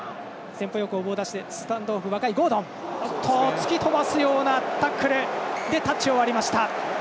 突き飛ばすようなタックルでタッチを割りました。